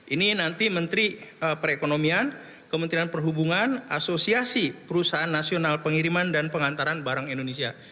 ini nanti menteri perekonomian kementerian perhubungan asosiasi perusahaan nasional pengiriman dan pengantaran barang indonesia